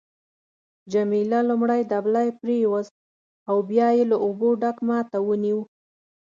جميله لومړی دبلی پریویست او بیا یې له اوبو ډک ما ته ونیو.